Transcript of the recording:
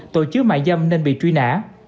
tội chứa mại dâm nên bị truy nã